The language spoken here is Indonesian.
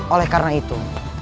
oleh karena itu